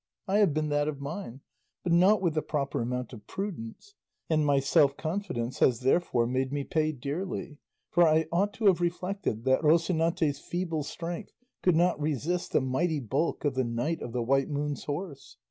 I have been that of mine; but not with the proper amount of prudence, and my self confidence has therefore made me pay dearly; for I ought to have reflected that Rocinante's feeble strength could not resist the mighty bulk of the Knight of the White Moon's horse.